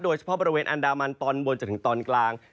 โดยเฉพาะบริเวณอันดามันตอนบนจนถึงตอนกลาง